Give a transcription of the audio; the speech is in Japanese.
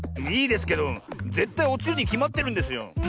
いいですけどぜったいおちるにきまってるんですよ。